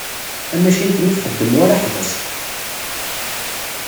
Tamacint-nni txeddem war aḥbas.